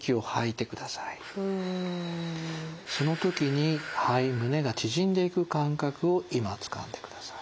その時に肺・胸が縮んでいく感覚を今つかんでください。